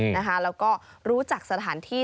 แล้วก็รู้จักสถานที่